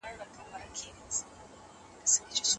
که څوک بد کوي، مؤمن باید په زړه کې بد نه فکر وکړي.